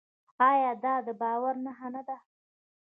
آیا دا د باور نښه نه ده؟